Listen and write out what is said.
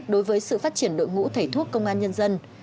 đối với sự phát triển đội ngũ thầy thuốc công an nhân dân